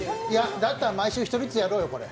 だったら毎週、１人ずつやろうよ、これ。